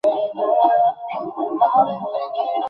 সে কেবল আমাকে দেখাইয়া।